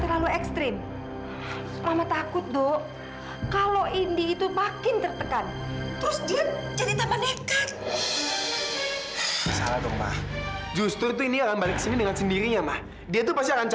lalu mama dan papa bilang kalau kalian itu lagi di rumah kalian